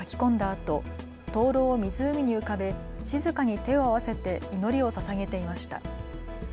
あと灯籠を湖に浮かべ静かに手を合わせて祈りをささげていました。